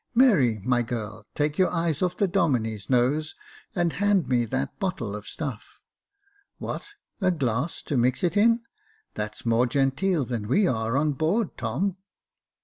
Mary, my girl, take your eyes off the Domine's nose, and hand me that bottle of stuff. What, glass to mix it in, that's more genteel than we are on board, Tom."